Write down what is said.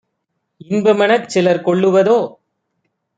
இன்பமெனச் சிலர் கொள்ளுவதோ?